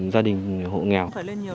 gia đình hộ nghèo